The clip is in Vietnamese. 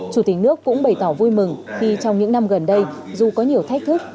chủ tịch nước cũng bày tỏ vui mừng khi trong những năm gần đây dù có nhiều thách thức